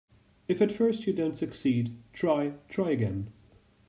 If at first you don't succeed, try, try again.